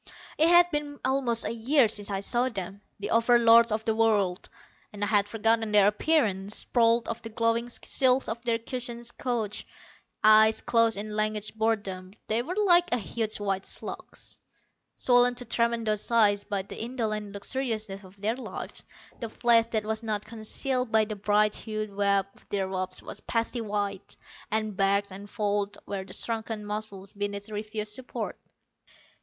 It had been almost a year since I saw them, the Over Lords of the World, and I had forgotten their appearance. Sprawled on the glowing silks of their cushioned couches, eyes closed in languid boredom, they were like huge white slugs. Swollen to tremendous size by the indolent luxuriousness of their lives, the flesh that was not concealed by the bright hued web of their robes was pasty white, and bagged and folded where the shrunken muscles beneath refused support.